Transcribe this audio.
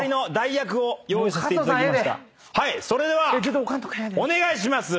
それではお願いします！